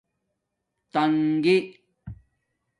تنگی